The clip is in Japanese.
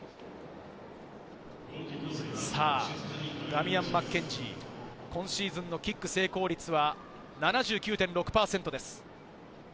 ダミアン・マッケンジー、今シーズンのキック成功率は７９．６％です。